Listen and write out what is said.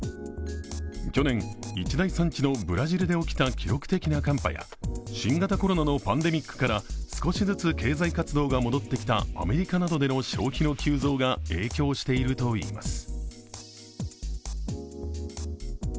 去年、一大産地のブラジルで起きた記録的な寒波や新型コロナのパンデミックから少しずつ経済活動が戻ってきたアメリカなどでの消費の急増が影響しているといいます。